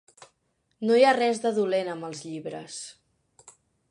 No hi ha res de dolent amb els llibres.